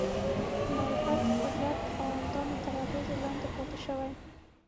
معرفت د قدرت خاوندانو تر اغېزې لاندې پاتې شوی